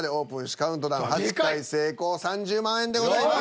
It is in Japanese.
カウントダウン８回成功３０万円でございます。